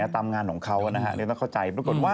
ตามงานของเขานี่ต้องเข้าใจ